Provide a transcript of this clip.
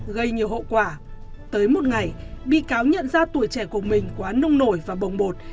gây nhiều hậu quả tới một ngày bị cáo nhận ra tuổi trẻ của mình quá nông nổi và bồng bột